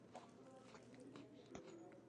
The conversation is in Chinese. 第六条第五点